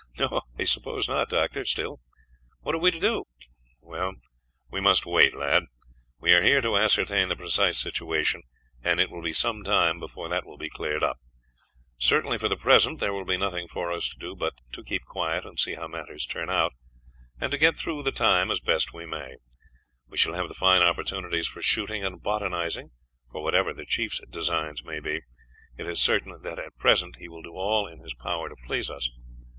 "No, I suppose not, Doctor. Still, what are we to do?" "We must wait, lad. We are here to ascertain the precise situation, and it will be some time before that will be cleared up. Certainly for the present there will be nothing for us to do but to keep quiet and see how matters turn out, and to get through the time as best we may. We shall have fine opportunities for shooting and botanizing, for whatever the chief's designs may be, it is certain that at present he will do all in his power to please us.